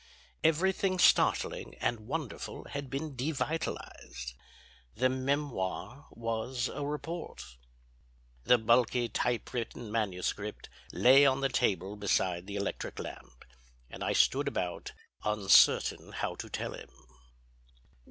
Everything startling and wonderful had been devitalized. The memoir was a report. The bulky typewritten manuscript lay on the table beside the electric lamp, and I stood about uncertain how to tell him.